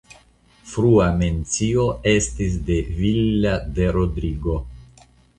Frua mencio estis de Villa de Rodrigo.